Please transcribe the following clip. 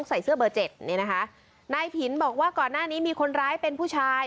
ใส่เสื้อเบอร์เจ็ดนี่นะคะนายผินบอกว่าก่อนหน้านี้มีคนร้ายเป็นผู้ชาย